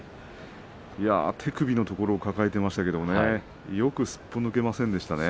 手首のところを抱えていましたけれどもねよく、すっぽ抜けませんでしたね。